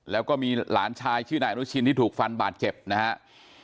แล้วก็มีหลานชายชื่อนายอนุชินที่ถูกฟันบาดเจ็บนะครับ